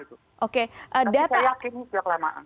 tapi saya yakin sudah lama